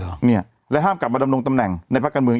เนี่ยและห้ามกลับมาดำรงตำแหน่งในภาคการเมือง